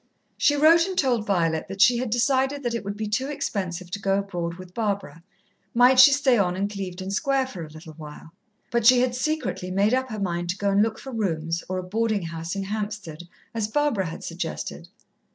She wrote and told Violet that she had decided that it would be too expensive to go abroad with Barbara. Might she stay on in Clevedon Square for a little while? But she had secretly made up her mind to go and look for rooms or a boarding house in Hampstead, as Barbara had suggested.